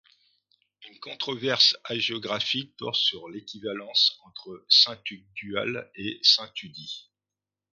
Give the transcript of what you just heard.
Une controverse hagiographique porte sur l'équivalence entre saint Tugdual et saint Tudy.